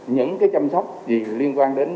những cái chăm sóc gì liên quan đến